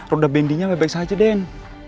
roda bendinya mebek saja den